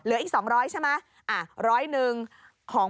เหลืออีก๒๐๐ใช่ไหมอ่ะ๑๐๐ของพ่อเอง